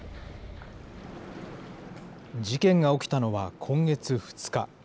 事件が起きたのは今月２日。